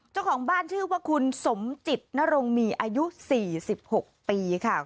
เจ้าของบ้านชื่อว่าคุณสมจิตนรงมีอายุ๔๖ปีค่ะ